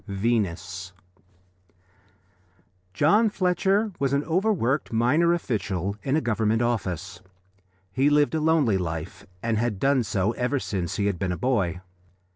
VENUS John Fletcher was an overworked minor official in a Government office. He lived a lonely life, and had done so ever since he had been a boy.